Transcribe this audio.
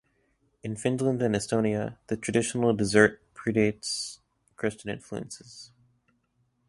In Finland and Estonia the traditional dessert predates Christian influences.